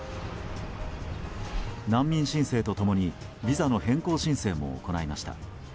難民申請と共にビザの変更申請も行いました。